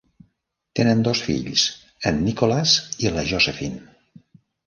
Tenen dos fills, en Nicholas i la Josephine.